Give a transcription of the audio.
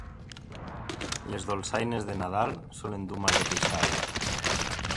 Les dolçaines de Nadal solen dur mal de queixal.